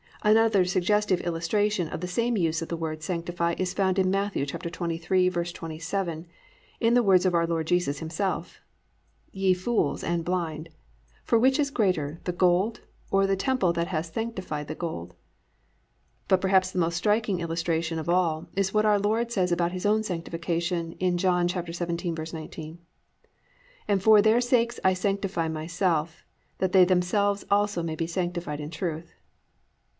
Another suggestive illustration of the same use of the word Sanctify is found in Matt. 23:27, in the words of our Lord Jesus Himself: +"Ye fools and blind; for which is greater, the gold, or the temple that hath sanctified the gold?"+ But perhaps the most striking illustration of all is in what our Lord says about His own sanctification in John 17:19, +"And for their sakes I sanctify myself, that they themselves also may be sanctified in truth."